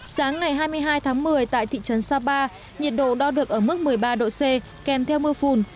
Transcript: sáng ngày hai mươi hai tháng một mươi tại thị trấn sapa nhiệt độ đo được ở mức một mươi ba độ c kèm theo mưa phùn